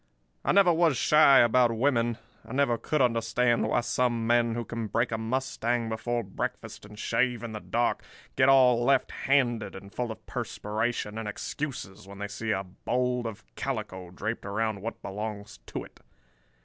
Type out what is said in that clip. "I never was shy about women. I never could understand why some men who can break a mustang before breakfast and shave in the dark, get all left handed and full of perspiration and excuses when they see a bold of calico draped around what belongs to it.